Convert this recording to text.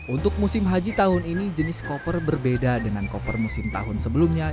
untuk musim haji tahun ini jenis koper berbeda dengan koper musim tahun sebelumnya